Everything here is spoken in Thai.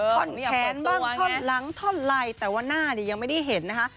ท่อนแขนบ้างท่อนหลังท่อนไลแต่ว่าหน้าเนี่ยยังไม่ได้เห็นนะคะ